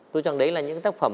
tôi cho rằng đấy là những tác phẩm